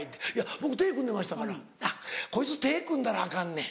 「僕手組んでましたから」「こいつ手組んだらアカンねん」。